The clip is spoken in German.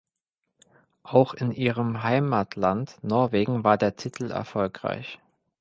Auch in ihrem Heimatland Norwegen war der Titel erfolgreich.